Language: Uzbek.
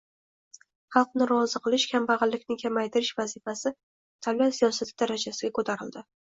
Xalqni rozi qilish, kambag‘allikni kamaytirish vazifasi davlat siyosati darajasiga ko‘tarildi.